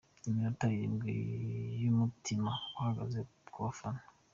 Iminota irindwi y’umutima uhagaze ku bafana .